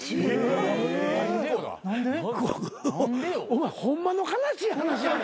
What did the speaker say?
お前ホンマの悲しい話やんか。